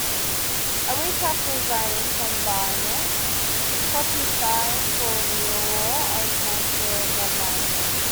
A week after resigning from Barnet, Cottee signed for Millwall on transfer deadline day.